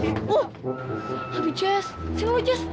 eh uh aduh jess sini dulu jess